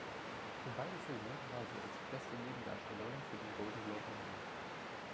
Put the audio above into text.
Für beide Filme war sie als "Beste Nebendarstellerin" für den Golden Globe nominiert.